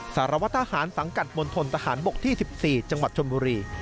สารวทหารสังกัดมณฑลทหารบกที่สิบสี่จังหวัดชมบุรี